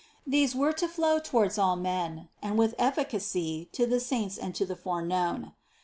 These were to flow toward all men and with efficacy to the saints and the foreknown.